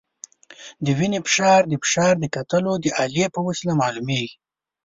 د وینې فشار د فشار د کتلو د الې په وسیله معلومېږي.